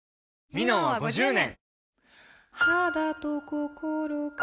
「ミノン」は５０年！